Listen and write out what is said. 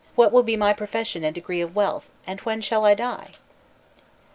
what will be my profession and degree of wealth, and when shall I die?